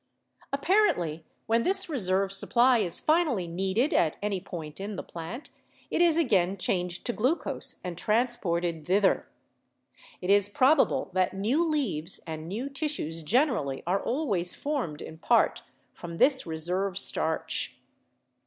Apparently when this reserve sup ply is finally needed at any point in the plant, it is again changed to glucose and transported thither. It is probable that new leaves and new tissues generally are always formed in part from this reserve starch.